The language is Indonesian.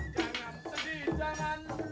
kenapa ada dia